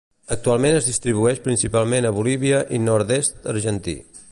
Actualment es distribueix principalment a Bolívia i nord-est argentí.